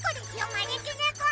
まねきねこ！